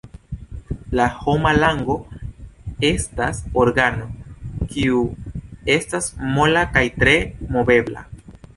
La homa lango estas organo, kiu estas mola kaj tre movebla.